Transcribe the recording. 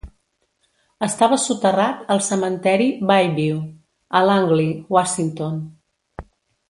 Estava soterrat al cementeri Bayview a Langley, Washington.